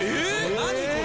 何これ？